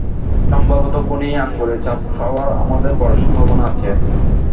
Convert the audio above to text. সম্ভবত খুনির আঙুলের ছাপ পাওয়ার আমাদের বড় সম্ভাবনা আছে।